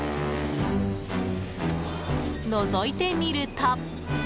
のぞいてみると。